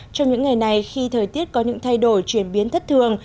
trong những ngày này khi thời tiết có những thay đổi chuyển biến thất thường